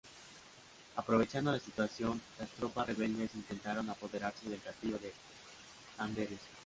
Aprovechando la situación, las tropas rebeldes intentaron apoderarse del castillo de Amberes.